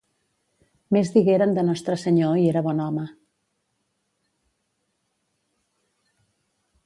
Més digueren de Nostre Senyor i era bon home.